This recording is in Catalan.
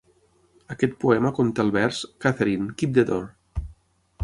Aquest poema conté el vers "Catherine, keep the door!".